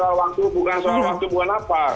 bukan soal waktu bukan soal kebutuhan apa